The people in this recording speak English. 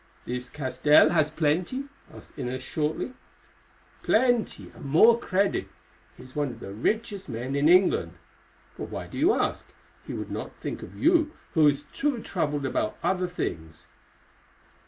"This Castell has plenty?" asked Inez shortly. "Plenty, and more credit. He is one of the richest men in England. But why do you ask? He would not think of you, who is too troubled about other things."